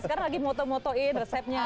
sekarang lagi moto motoin resepnya